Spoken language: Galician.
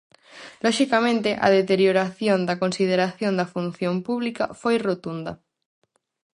Loxicamente, a deterioración da consideración da función pública foi rotunda.